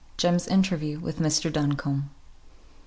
JEM'S INTERVIEW WITH MR. DUNCOMBE.